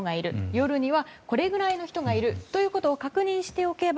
夜にはこれくらいの人がいるということを確認しておけば